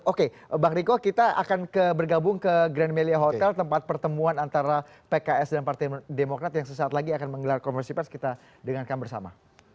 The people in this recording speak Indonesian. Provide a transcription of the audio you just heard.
oke bang riko kita akan bergabung ke grand melia hotel tempat pertemuan antara pks dan partai demokrat yang sesaat lagi akan menggelar konversi pers kita dengarkan bersama